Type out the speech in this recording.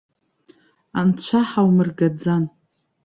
Анцәа ҳаумыргаӡан!